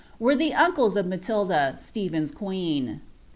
143 were the nnclefl of Matilda, Stephen's queen.